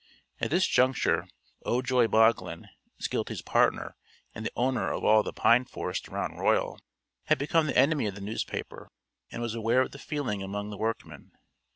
At this juncture Ojoy Boglin, Skeelty's partner and the owner of all the pine forest around Royal, had become the enemy of the newspaper and was aware of the feeling among the workmen.